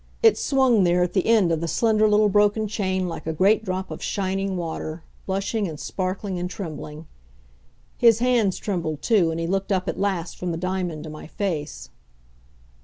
It swung there at the end of the slender little broken chain like a great drop of shining water, blushing and sparkling and trembling. His hands trembled, too, and he looked up at last from the diamond to my face.